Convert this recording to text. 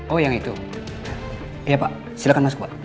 oh yang itu ya pak silahkan masuk pak